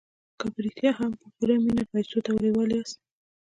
که په رښتیا هم په پوره مينه پيسو ته لېوال ياست.